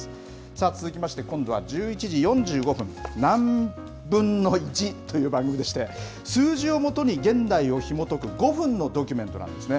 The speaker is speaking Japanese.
さあ、続きまして今度は１１時４５分、ナンブンノイチという番組でして、数字をもとに現代をひもとく５分のドキュメントなんですね。